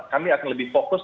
kami akan lebih fokus